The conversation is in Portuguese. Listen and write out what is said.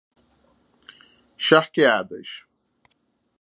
Charqueadas